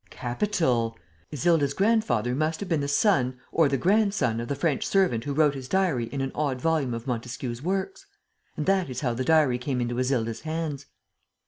"Capital! Isilda's grandfather must have been the son or the grandson of the French servant who wrote his diary in an odd volume of Montesquieu's works. And that is how the diary came into Isilda's hands."